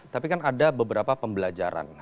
tapi kan ada beberapa pembelajaran